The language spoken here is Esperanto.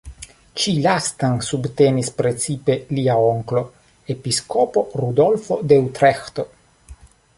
Ĉi lastan subtenis precipe lia onklo, Episkopo Rudolfo de Utreĥto.